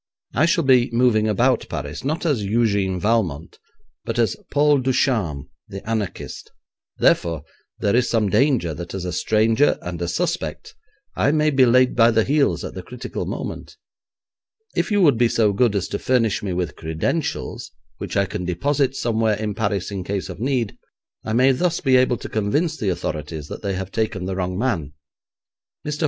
I shall be moving about Paris, not as Eugène Valmont, but as Paul Ducharme, the anarchist; therefore, there is some danger that as a stranger and a suspect I may be laid by the heels at the critical moment. If you would be so good as to furnish me with credentials which I can deposit somewhere in Paris in case of need, I may thus be able to convince the authorities that they have taken the wrong man.' Mr.